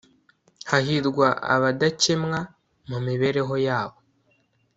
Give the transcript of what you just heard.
hahirwa abadakemwa mu mibereho yabo